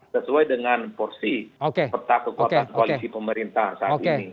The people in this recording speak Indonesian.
sesuai dengan porsi peta kekuatan koalisi pemerintah saat ini